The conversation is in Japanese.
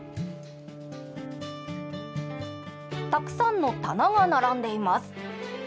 たくさんの棚が並んでいます。